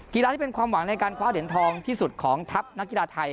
กีฬาที่เป็นความหวังในการคว้าเหรียญทองที่สุดของทัพนักกีฬาไทย